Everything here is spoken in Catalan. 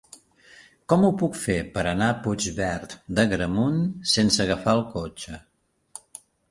Com ho puc fer per anar a Puigverd d'Agramunt sense agafar el cotxe?